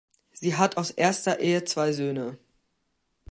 Sie hat aus erster Ehe zwei Söhne.